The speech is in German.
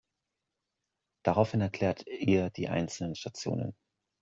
Daraufhin erklärt ihr die einzelnen Stationen.